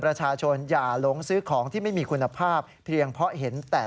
อย่าหลงซื้อของที่ไม่มีคุณภาพเพียงเพราะเห็นแต่